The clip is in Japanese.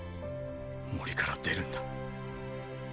森から出るんだ。